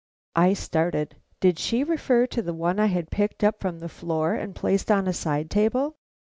I started. Did she refer to the one I had picked up from the floor and placed on a side table?